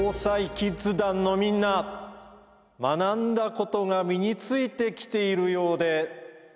キッズ団のみんな学んだことが身についてきているようでうれしいぞ。